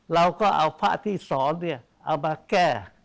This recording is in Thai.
เราก็เอาพระที่สอนเนี่ยเอามาแก้